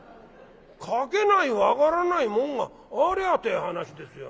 描けない分からない紋がありゃって話ですよ」。